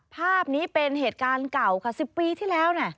ภาพนี้เป็นเหตุการณ์เก่าค่ะ๑๐ปีที่แล้วนะ